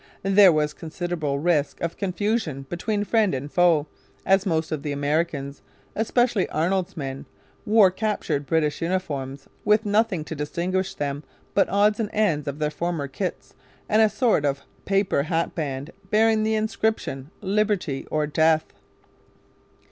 There was considerable risk of confusion between friend and foe, as most of the Americans, especially Arnold's men, wore captured British uniforms with nothing to distinguish them but odds and ends of their former kits and a sort of paper hatband bearing the inscription Liberty or Death.